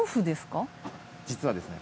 実は。